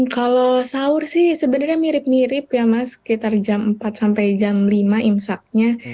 kalau sahur sih sebenarnya mirip mirip ya mas sekitar jam empat sampai jam lima imsaknya